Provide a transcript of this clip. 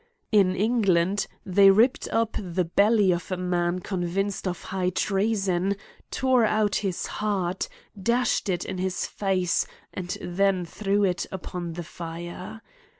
In England, they ripped up the belh'^ of a man convicted of high treason^ tore out his heart, dashed it in his face, and then threw it upon the fire.